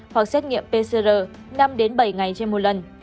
hoặc xét nghiệm pcr năm bảy ngày trên một lần